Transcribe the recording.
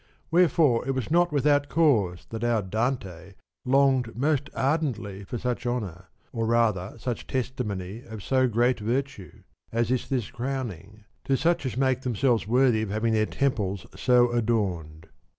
Where fore it was not without cause that our Dante longed most ardently for such honour, or rather such testimony of so great virtue, as is this crowning, to such as make themselves worthy of having their temples so adorned.